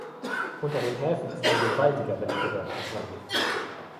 Unter den Häfen ist ein gewaltiger Wettbewerb entbrannt.